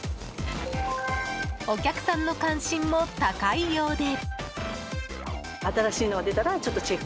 お客さんの関心も高いようで。